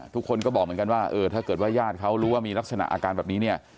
ทุกคนก็บอกเหมือนกันว่าเออถ้าเกิดว่าญาติเขารู้ว่ามีลักษณะอาการแบบนี้เนี่ย